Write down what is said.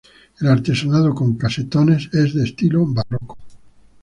El artesonado con casetones es de estilo barroco.